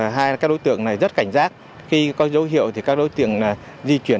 hai đối tượng này rất cảnh giác khi có dấu hiệu thì các đối tượng di chuyển